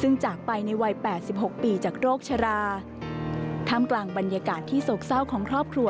ซึ่งจากไปในวัยแปดสิบหกปีจากโรคชราท่ามกลางบรรยากาศที่โศกเศร้าของครอบครัว